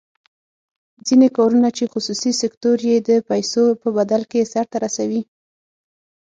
ځینې کارونه چې خصوصي سکتور یې د پیسو په بدل کې سر ته رسوي.